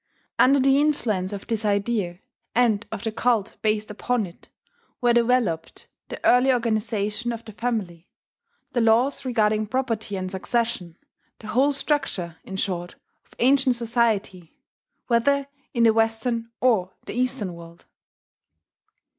Under the influence of this idea, and of the cult based upon it, were developed the early organization of the family, the laws regarding property and succession, the whole structure, in short, of ancient society, whether in the Western or the Eastern world.